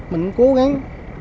mình cũng cố gắng